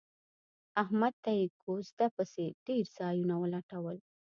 احمد ته یې کوزده پسې ډېر ځایونه ولټول